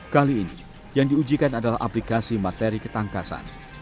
kali ini yang diujikan adalah aplikasi materi ketangkasan